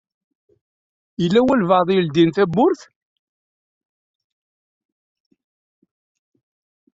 Yella walebɛaḍ i yeldin tawwurt